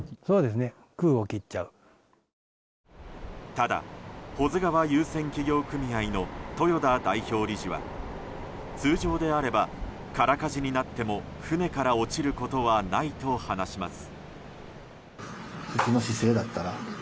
ただ、保津川遊船企業組合の豊田代表理事は通常であれば空かじになっても船から落ちることはないと話します。